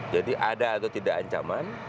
jadi ada atau tidak ancaman